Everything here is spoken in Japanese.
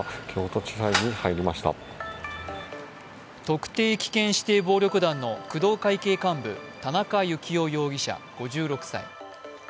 特定危険指定暴力団の工藤会系幹部、田中幸雄容疑者５６歳。